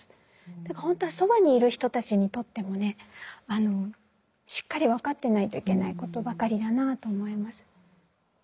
だから本当はそばにいる人たちにとってもねしっかり分かってないといけないことばかりだなと思います。